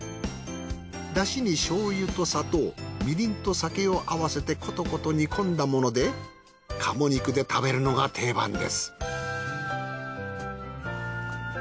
だしに醤油と砂糖みりんと酒を合わせてコトコト煮込んだもので鴨肉で食べるのが定番です。